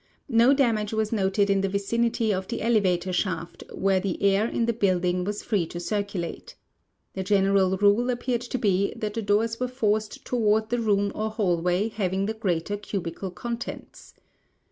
No damage was noted in the vicinity of the eleva tor shaft, where the air in the building was free to circulate. The general rule appeared to be that the doors were forced toward the room or hallway having the greater cubical contents.